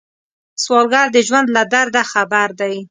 سوالګر د ژوند له درده خبر دی